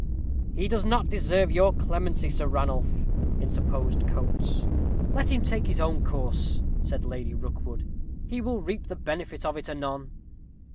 "He does not deserve your clemency, Sir Ranulph," interposed Coates. "Let him take his own course," said Lady Rookwood; "he will reap the benefit of it anon."